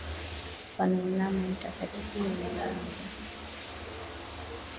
Wanainama, mtakatifu ni wewe Mungu uu.